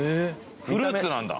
フルーツなんだ。